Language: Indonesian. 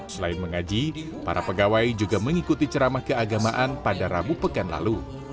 selain mengaji para pegawai juga mengikuti ceramah keagamaan pada rabu pekan lalu